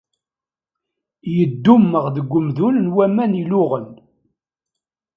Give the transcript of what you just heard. Yeddummeɣ deg umdun n waman iluɣen.